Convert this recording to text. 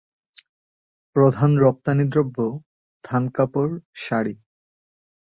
প্রধান রপ্তানিদ্রব্য থান কাপড়, শাড়ি।